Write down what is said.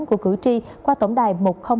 của cử tri qua tổng đài một nghìn hai mươi hai